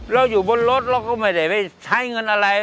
เราอยู่บนรถเราก็ไม่ได้ไปใช้เงินอะไร